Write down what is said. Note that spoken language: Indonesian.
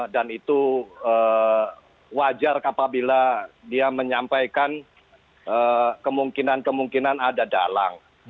dan itu wajar apabila dia menyampaikan kemungkinan kemungkinan ada dalang